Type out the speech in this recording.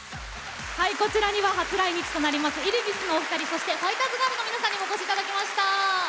こちらには初来日となりますイルヴィスのお二人そしてファイターズガールの皆さんにお越し頂きました。